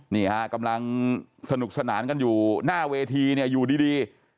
นี่ฮะกำลังสนุกสนานกันอยู่หน้าเวทีเนี่ยอยู่ดี